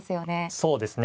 そうですね。